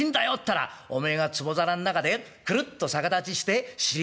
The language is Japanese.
ったらおめえがつぼ皿ん中でくるっと逆立ちして尻の穴。